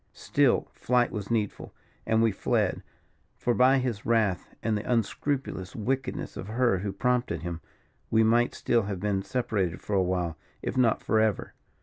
"Still flight was needful, and we fled; for by his wrath, and the unscrupulous wickedness of her who prompted him, we might still have been separated for a while, if not for ever.